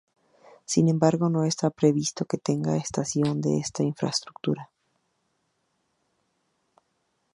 Sin embargo, no está previsto que tenga estación de esta infraestructura.